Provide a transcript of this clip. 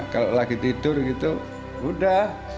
kalau lagi tidur gitu udah